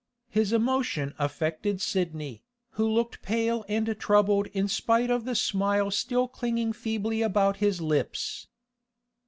His emotion affected Sidney, who looked pale and troubled in spite of the smile still clinging feebly about his lips.